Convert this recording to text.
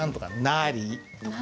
「なり」。